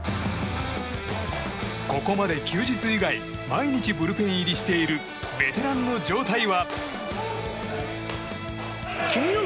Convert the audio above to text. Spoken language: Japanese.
ここまで休日以外毎日ブルペン入りしているベテランの状態は？